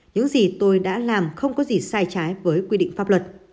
những gì tôi đã làm không có gì sai trái với quy định pháp luật